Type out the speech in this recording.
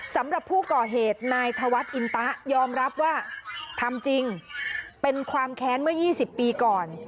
สำหรับผู้ก่อเหตุนายธวัฒน์อินตะยอมรับว่าทำจริงเป็นความแค้นเมื่อ๒๐ปีก่อน